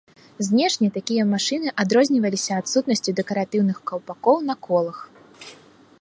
Знешне такія машыны адрозніваліся адсутнасцю дэкаратыўных каўпакоў на колах.